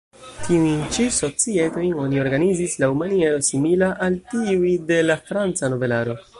Tiujn ĉi societojn oni organizis laŭ maniero simila al tiuj de la franca nobelaro.